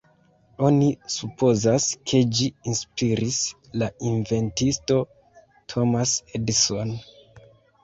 Oni supozas ke ĝi inspiris la inventisto Thomas Edison.